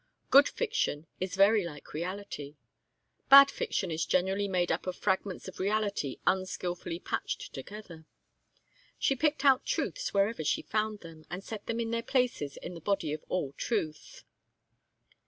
Good fiction is very like reality. Bad fiction is generally made up of fragments of reality unskilfully patched together. She picked out truths wherever she found them, and set them in their places in the body of all truth.